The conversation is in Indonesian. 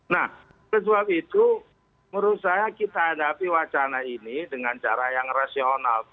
nah oleh sebab itu menurut saya kita hadapi wacana ini dengan cara yang rasional